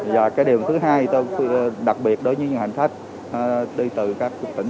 và cái điều thứ hai tôi đặc biệt đối với những hành khách đi từ các tỉnh